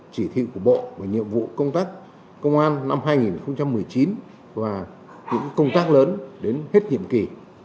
chỉ thị của bộ và nhiệm vụ công tác công an năm hai nghìn một mươi chín và những công tác lớn đến hết nhiệm kỳ